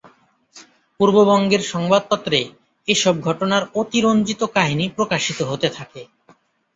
পূর্ববঙ্গের সংবাদপত্রে এসব ঘটনার অতিরঞ্জিত কাহিনী প্রকাশিত হতে থাকে।